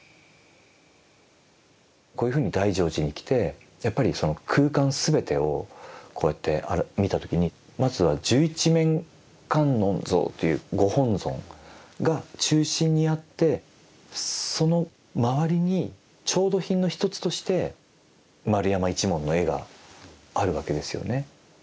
こういうふうに大乗寺に来てやっぱりその空間全てをこうやって見た時にまずは十一面観音像というご本尊が中心にあってその周りに調度品の一つとして円山一門の絵があるわけですよね。